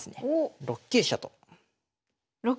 ６九飛車。